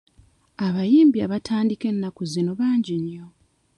Abayimbi abatandika ennaku zino bangi nnyo.